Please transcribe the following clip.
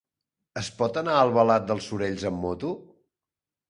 Es pot anar a Albalat dels Sorells amb moto?